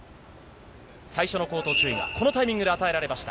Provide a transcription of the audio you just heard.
最初の口頭注意が、このタイミングで与えられました。